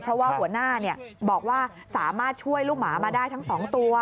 เพราะว่าหัวหน้าบอกว่าสามารถช่วยลูกหมามาได้ทั้ง๒ตัว